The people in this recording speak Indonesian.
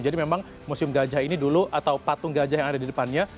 jadi memang museum gajah ini dulu atau patung gajah yang ada di depannya